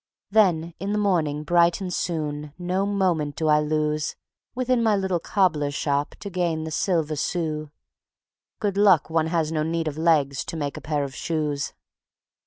Then in the morning bright and soon, No moment do I lose; Within my little cobbler's shop To gain the silver sous (Good luck one has no need of legs To make a pair of shoes).